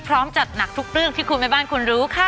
จัดหนักทุกเรื่องที่คุณแม่บ้านคุณรู้ค่ะ